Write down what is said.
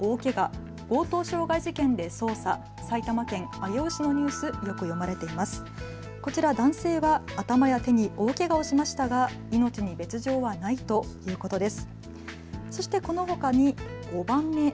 上尾市のニュース、こちら男性は頭や手に大けがをしましたが命に別状はないということです。